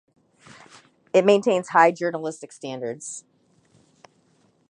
It maintains high journalistic standards.